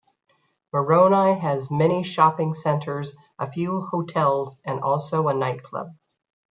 Moroni has many shopping centres, a few hotels and also a nightclub.